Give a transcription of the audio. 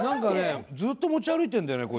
ずっと持ち歩いているんだよね